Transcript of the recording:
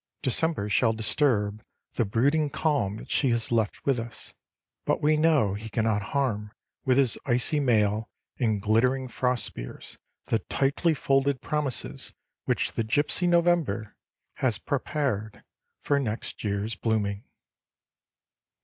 December shall disturb the brooding calm that she has left with us, but we know he cannot harm with his icy mail and glittering frost spears the tightly folded promises which the gypsy November has prepared for next year's blooming.